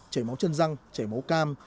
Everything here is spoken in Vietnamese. chảy máu chân răng chảy máu cam